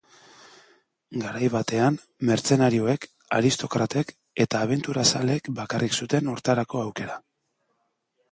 Garai batean mertzenarioek, aristokratek eta abenturazaleek bakarrik zuten hortarako aukera.